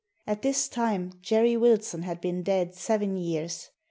At this time Jerry Wilson had been dead seven years.